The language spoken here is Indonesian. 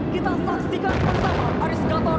kita saksikan bersama aris gator